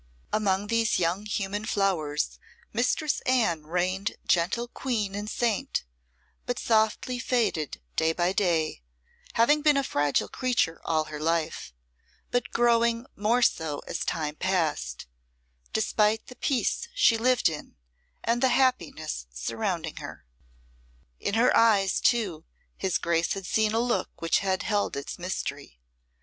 Among these young human flowers Mistress Anne reigned gentle queen and saint, but softly faded day by day, having been a fragile creature all her life, but growing more so as time passed, despite the peace she lived in and the happiness surrounding her. In her eyes, too, his Grace had seen a look which held its mystery.